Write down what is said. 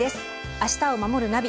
「明日をまもるナビ」